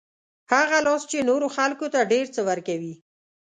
هغه لاس چې نورو خلکو ته ډېر څه ورکوي.